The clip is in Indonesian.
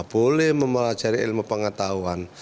boleh mempelajari ilmu pengetahuan